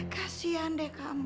kasian deh kamu